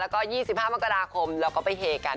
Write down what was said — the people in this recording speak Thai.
แล้วก็๒๕มกราคมเราก็ไปเฮกัน